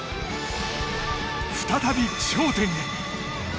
再び頂点へ。